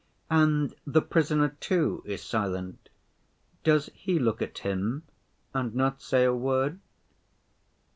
"And the Prisoner too is silent? Does He look at him and not say a word?"